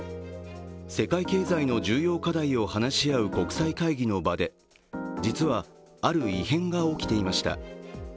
世界経済の重要課題を話し合う国際会議の場で実は、ある異変が起きていました。